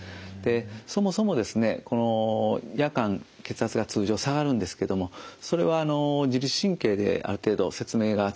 そもそも夜間血圧が通常下がるんですけどもそれは自律神経である程度説明がつきます。